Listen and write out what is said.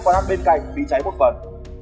hai quán ăn bên cạnh bị cháy một phần